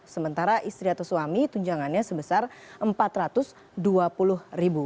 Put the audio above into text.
sementara istri atau suami tunjangannya sebesar rp empat ratus dua puluh ribu